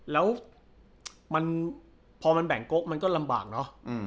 แล้วพอแบ่งกลบมันก็ลำบาหรอก